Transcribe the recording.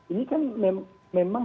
ini kan memang